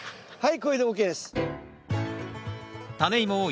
はい！